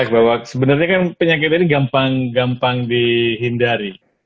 bahwa sebenarnya kan penyakit ini gampang gampang dihindari